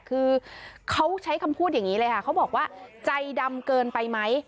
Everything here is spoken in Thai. คือเขาใช้คำพูดอย่างนี้เลยค่ะเขาบอกว่าใจดำเกินไปไหม